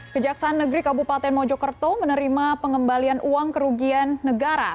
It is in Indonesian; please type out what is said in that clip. kejaksaan negeri kabupaten mojokerto menerima pengembalian uang kerugian negara